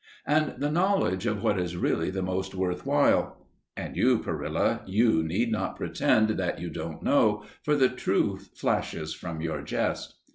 and the knowledge of what is really the most worth while. (And you, Perilla, you need not pretend that you don't know, for the truth flashes from your jest!)